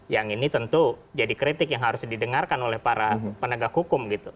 yang ini tentu jadi kritik yang harus didengarkan oleh para pemerintah